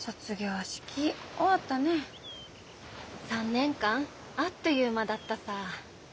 ３年間あっという間だったさー。